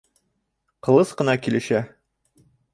Ҡылыс ҡында килешә.